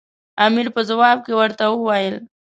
امیر په ځواب کې ورته وویل.